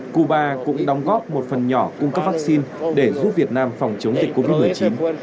cuba cũng đóng góp một phần nhỏ cung cấp vaccine để giúp việt nam phòng chống dịch covid một mươi chín